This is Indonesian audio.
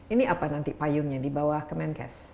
ini apa nanti payungnya di bawah kemenkes